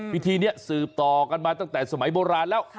พิธีนี้สืบต่อกันมาตั้งแต่สมัยโบราณแล้ว